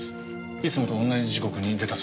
いつもと同じ時刻に出たそうです。